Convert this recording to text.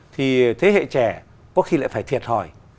thì thế hệ trẻ có khi lại phải thiệt hỏi